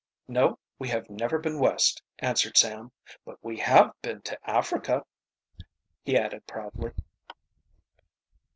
"No, we have never been West," answered Sam. "But we have been to Africa," he added proudly.